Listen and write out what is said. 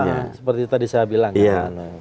nah seperti tadi saya bilang